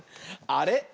あれ？